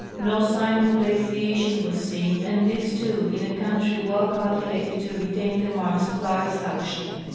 No sign of glaci ation was seen, and this too in a country well calculated to retain the marks of ice action.